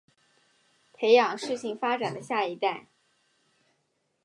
培养适性发展的下一代